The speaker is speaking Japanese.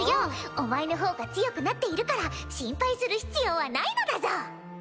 お前の方が強くなっているから心配する必要はないのだぞ！